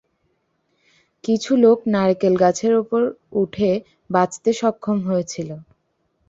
কিছু লোক নারকেল গাছের ওপরে উঠে বাঁচতে সক্ষম হয়েছিল।